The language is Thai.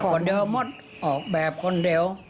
คนเดิมหมดออกแบบคนเดียว